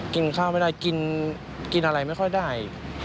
กินข้าวไม่ได้กินอะไรไม่ค่อยได้